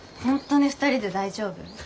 本当に２人で大丈夫？